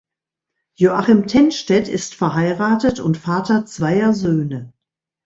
Joachim Tennstedt ist verheiratet und Vater zweier Söhne.